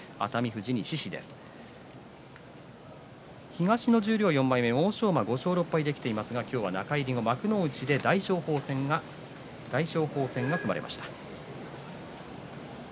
東の十両４枚目欧勝馬５勝６敗ですが中入り後、幕内で大翔鵬戦が組まれました。